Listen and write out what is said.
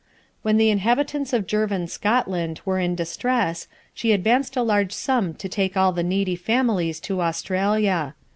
When the inhabitants of Girvan, Scotland, were in distress, she advanced a large sum to take all the needy families to Australia.